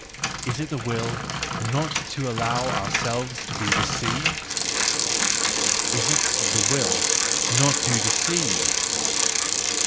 Is it the will not to allow ourselves to be deceived? Is it the will not to de¬ ceive?